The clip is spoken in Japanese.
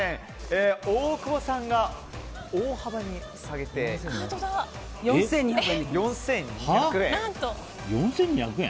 大久保さんが大幅に下げて４２００円。